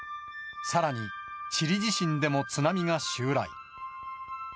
さらに、チリ地震でも津波が襲来。